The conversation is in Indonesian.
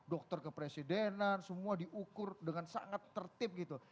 dokter kepresidenan semua diukur dengan sangat tertib gitu